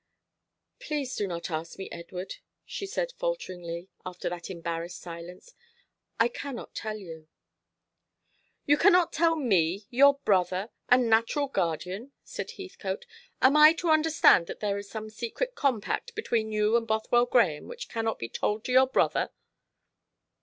"Please do not ask me, Edward," she said falteringly, after that embarrassed silence. "I cannot tell you." "You cannot tell me, your brother, and natural guardian?" said Heathcote. "Am I to understand that there is some secret compact between you and Bothwell Grahame which cannot be told to your brother?"